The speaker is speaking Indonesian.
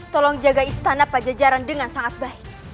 tolong jaga istana pajajaran dengan sangat baik